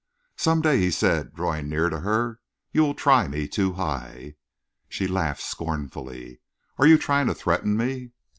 "Some day," he said, drawing nearer to her, "you will try me too high." She laughed scornfully. "Are you trying to threaten me?"